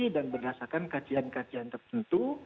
dan berdasarkan kajian kajian tertentu